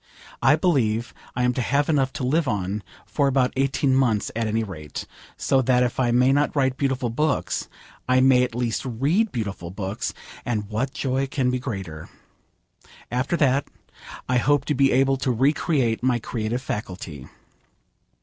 I believe I am to have enough to live on for about eighteen months at any rate, so that if I may not write beautiful books, I may at least read beautiful books; and what joy can be greater? After that, I hope to be able to recreate my creative faculty.